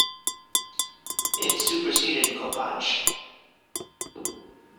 It superseded Kopáč.